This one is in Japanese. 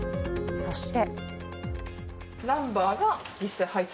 そして。